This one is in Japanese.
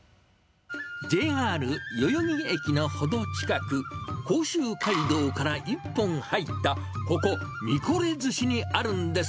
ＪＲ代々木駅の程近く、甲州街道から１本入ったここ、三是寿司にあるんです。